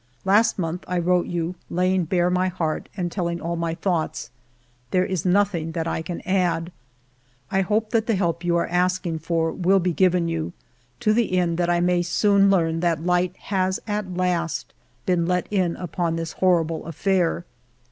" Last month I wrote you, laying bare my heart and telling all my thoughts; there is nothing that I can add. I hope that the help you are asking for will be given you, to the end that I may soon learn that light has at last been let in upon this horrible affair.